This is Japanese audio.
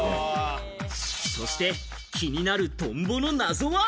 そして、気になるトンボの謎は？